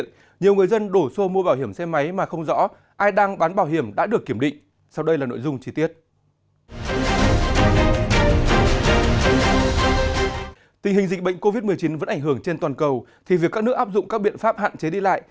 tình hình dịch bệnh covid một mươi chín vẫn ảnh hưởng trên toàn cầu thì việc các nước áp dụng các biện pháp hạn chế đi lại